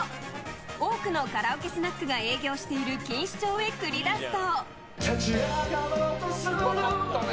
多くのカラオケスナックが営業している錦糸町へ繰り出すと。